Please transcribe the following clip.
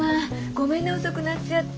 ごめんね遅くなっちゃって。